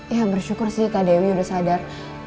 ya bersyukur sih kak dewi udah sadar